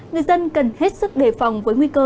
người dân cần hết sức đề phòng với nguy cơ